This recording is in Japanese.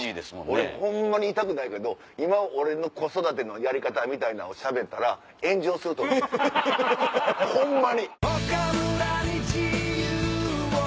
俺ホンマに言いたくないけど今俺の子育てのやり方みたいなのをしゃべったら炎上すると思うホンマに。